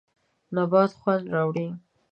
نبات خوند راوړي.